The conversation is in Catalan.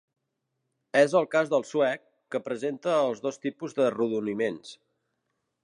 És el cas del suec, que presenta els dos tipus d'arrodoniments.